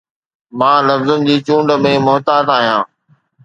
مان لفظن جي چونڊ ۾ محتاط آهيان